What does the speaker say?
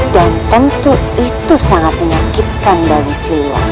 dan tentu itu sangat menyakitkan bagi siluang